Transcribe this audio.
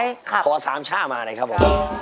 เดี๋ยวขอสามช่ามาเลยครับผม